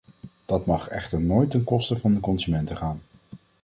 Dat mag echter nooit ten koste van de consumenten gaan.